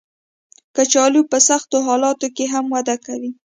کچالو په سختو حالاتو کې هم وده کوي